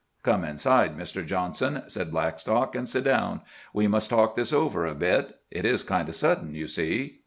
"Come inside, Mr. Johnson," said Blackstock, "an' sit down. We must talk this over a bit. It is kind o' sudden, you see."